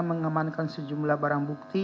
mengemankan sejumlah barang bukti